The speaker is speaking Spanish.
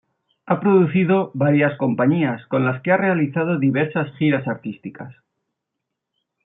Ha producido varias compañías con las que ha realizado diversas giras artísticas.